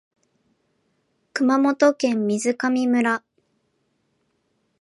熊本県水上村